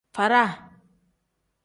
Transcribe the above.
Faada.